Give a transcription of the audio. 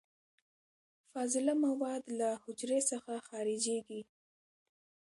فاضله مواد له حجرې څخه خارجیږي.